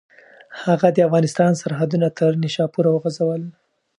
هغه د افغانستان سرحدونه تر نیشاپوره وغځول.